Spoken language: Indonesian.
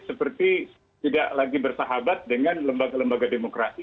seperti tidak lagi bersahabat dengan lembaga lembaga demokrasi